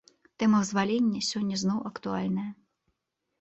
Тэма вызвалення сёння зноў актуальная.